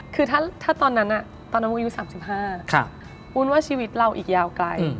คือถ้าตอนนั้นตอนนั้นวุ้นอายุ๓๕วุ้นว่าชีวิตเราอีกยาวไกล